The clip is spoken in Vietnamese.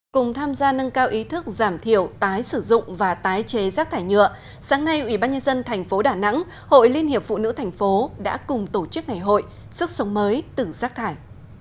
cùng tham gia nâng cao ý thức giảm thiểu tái sử dụng và tái chế rác thải nhựa sáng nay ủy ban nhân dân thành phố đà nẵng hội liên hiệp phụ nữ thành phố đã cùng tổ chức ngày hội sức sống mới từ rác thải